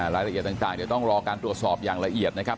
รายละเอียดต่างเดี๋ยวต้องรอการตรวจสอบอย่างละเอียดนะครับ